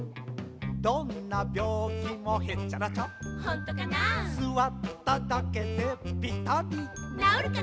どんなびょうきもへっちゃらちゃほんとかなすわっただけでぴたりなおるかな